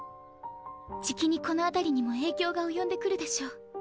じきにこの辺りにも影響が及んでくるでしょう。